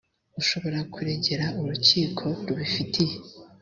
ishobora kuregera urukiko rubifitiye